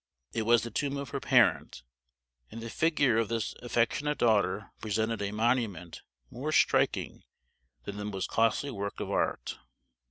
It was the tomb of her parent; and the figure of this affectionate daughter presented a monument more striking than the most costly work of art."